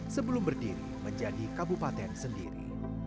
sebelum berdiri menjadi kabupaten sendiri